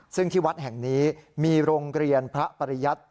ซึ่งที่วัดแห่งนี้มีโรงเรียนพระปริยัติ